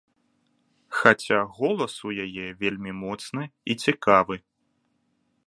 Хаця голас у яе вельмі моцны і цікавы.